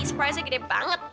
surprise yang gede banget